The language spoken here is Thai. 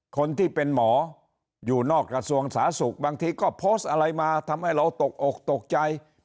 คนที่เป็นหมออยู่นอกกระทรวงสาธารณสุขบางทีก็โพสต์อะไรมาทำให้เราตกอกตกใจ